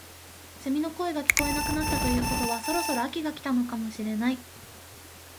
セミの声が聞こえなくなったということはそろそろ秋が来たのかもしれない